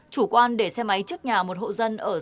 chủ quan để xe máy trước nhà một hộ dân ở sài gòn